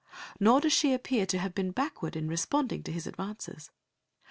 Nor does she appear to have been backward in responding to his advances.